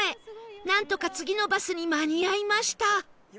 なんとか次のバスに間に合いました